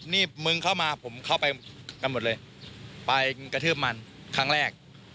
นี่มึงเข้ามาผมเข้าไปกันหมดเลยไปกระทืบมันครั้งแรก